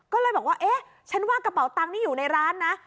ก็เลยบอกว่าเอ๊ะฉันว่ากระเป๋าตังค์นี่อยู่ในร้านนะ